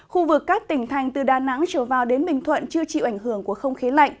khu vực các tỉnh thành từ đà nẵng trở vào đến bình thuận chưa chịu ảnh hưởng của không khí lạnh